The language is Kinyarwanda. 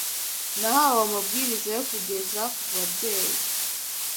Nahawe amabwiriza yo kugeza ku babyeyi: